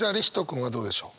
君はどうでしょう？